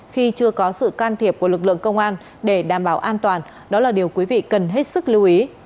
khi chưa có sự can thiệp của lực lượng công an để đảm bảo an toàn đó là điều quý vị cần hết sức lưu ý